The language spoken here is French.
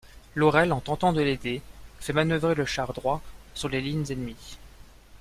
Laurel en tentant de l'aider, fait manœuvrer le char droit sur les lignes ennemies.